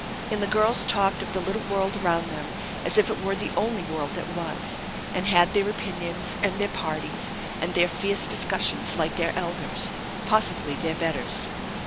And the girls talked of the little world around them, as if it were the only world that was; and had their opinions and their parties, and their fierce discussions like their elders possibly, their betters.